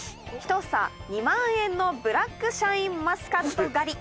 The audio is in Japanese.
１房２万円のブラックシャインマスカット狩り」